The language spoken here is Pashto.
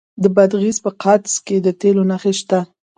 د بادغیس په قادس کې د تیلو نښې شته.